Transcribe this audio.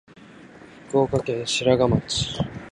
福島県白河市